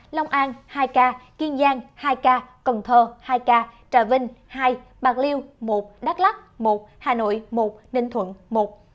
long an hai ca kiên giang hai ca cần thơ hai ca trà vinh hai ca bạc liêu một ca đắk lắk một ca hà nội một ca ninh thuận một ca